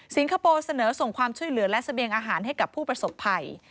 คโปร์เสนอส่งความช่วยเหลือและเสบียงอาหารให้กับผู้ประสบภัย